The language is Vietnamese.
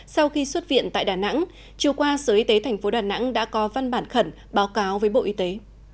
sau khi xuất viện tại đà nẵng chiều qua sở y tế tp đà nẵng đã có văn bản khẩn báo cáo với bộ y tế